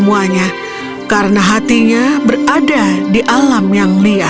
dan sudah nangmpit buah coklat malam ini